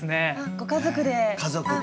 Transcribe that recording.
ご家族で。